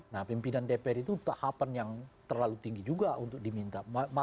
nah pimpinan dpr itu tahapan yang terlalu tinggi juga untuk diminta